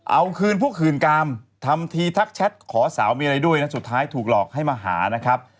เอาคืนพวกคืนกามทำทีทักแชทขอสาวมีอะไรด้วยนะสุดท้ายถูกหลอกให้มาหานะครับ